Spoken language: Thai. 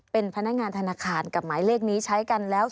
เป็นพนักงานธนาคารกับหมายเลขนี้ใช้กันแล้ว